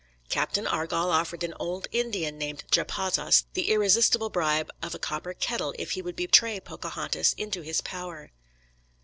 Captain Argall offered an old Indian named Japazaws the irresistible bribe of a copper kettle if he would betray Pocahontas into his power.